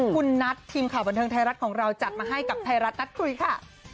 คุณนัททีมข่าวบันเทิงไทยรัฐของเราจัดมาให้กับไทยรัฐนัดคุยค่ะ